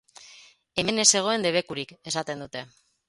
Hemen ez zegoen debekurik!, esaten dute.